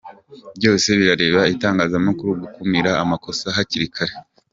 Byose birareba itangazamakuru gukumira amakosa hakiri kare.